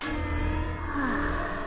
はあ。